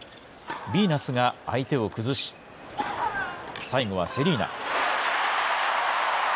ビーナスが相手を崩し、最後はセリーナ。